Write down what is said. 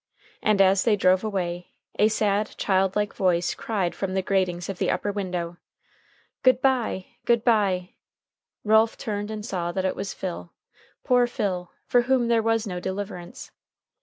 And as they drove away, a sad, childlike voice cried from the gratings of the upper window, "Good by! good by!" Ralph turned and saw that it was Phil, poor Phil, for whom there was no deliverance.